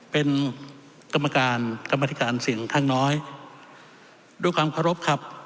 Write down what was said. เป็นกรรมการกรรมธิการเสียงข้างน้อยด้วยความเคารพครับ